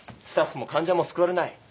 スタッフも患者も救われない。